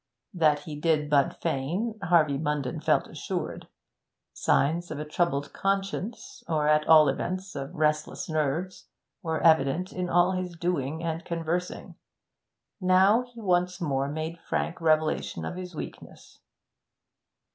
That he did but feign, Harvey Munden felt assured; signs of a troubled conscience, or at all events of restless nerves, were evident in all his doing and conversing; now he once more made frank revelation of his weakness.